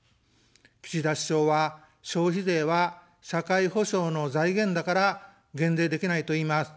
岸田首相は、「消費税は社会保障の財源だから減税できない」といいます。